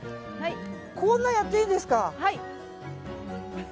こんなやっていいんですか。